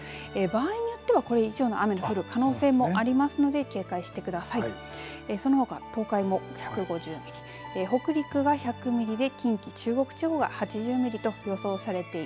場合によってはこれ以上の雨が降る可能性もありますので警戒してください。